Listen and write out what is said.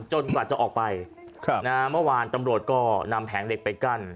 กว่าจะออกไปเมื่อวานตำรวจก็นำแผงเหล็กไปกั้น